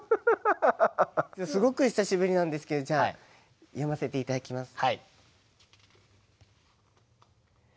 すごく久しぶりなんですけどじゃあ詠ませて頂きます。